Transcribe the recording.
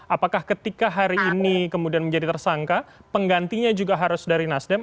apakah ketika hari ini kemudian menjadi tersangka penggantinya juga harus dari nasdem